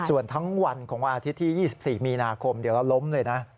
ส่วนทั้งวันของวันอาทิตย์ที่๒๔มีนาคมเดี๋ยวเราล้มเลยนะ